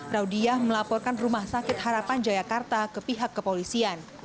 raudiah melaporkan rumah sakit harapan jayakarta ke pihak kepolisian